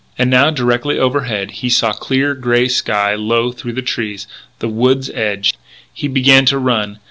And now, directly ahead, he saw clear grey sky low through the trees. The wood's edge! He began to run.